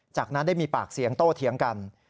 จากนั้นได้มีปากเสียงโต้เถียงกัน